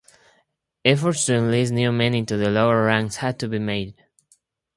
Efforts to enlist new men into the lower ranks had to be made.